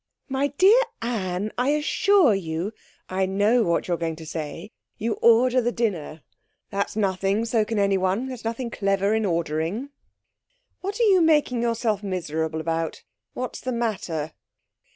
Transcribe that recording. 'My dear Anne, I assure you ' 'I know what you are going to say. You order the dinner. That's nothing; so can anyone. There's nothing clever in ordering! What are you making yourself miserable about? What's the matter?'